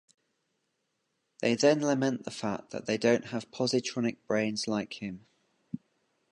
They then lament the fact that they don't have positronic brains like him.